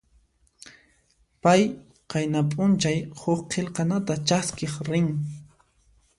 Pay qayna p'unchay huk qillqanata chaskiq rin.